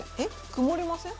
曇りません？